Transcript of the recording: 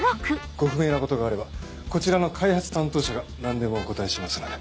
ご不明なことがあればこちらの開発担当者が何でもお答えしますので。